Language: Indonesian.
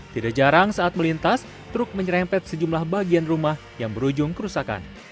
tidak jarang saat melintas truk menyerempet sejumlah bagian rumah yang berujung kerusakan